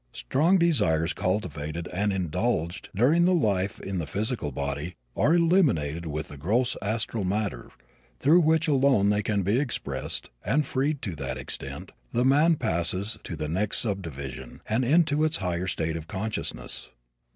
Strong desires cultivated and indulged during the life in the physical body are eliminated with the gross astral matter through which alone they can be expressed and, freed to that extent, the man passes to the next subdivision, and into its higher state of consciousness.